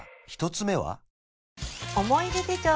１つ目は？